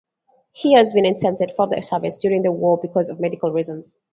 He had been exempted from service during the war because of medical reasons.